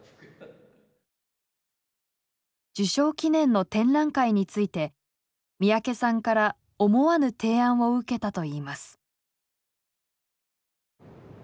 受賞記念の展覧会について三宅さんから思わぬ提案を受けたといいます。